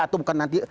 atau bukan nanti